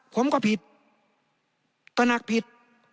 ผมก็ผิดก็นักผิด